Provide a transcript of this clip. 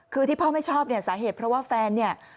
คือที่พ่อไม่ชอบเนี่ยสาเหตุเพราะว่าแฟนเนี่ย